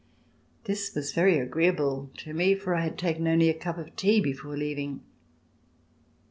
This was very agreeable to me for I had taken only a cup of tea before leaving.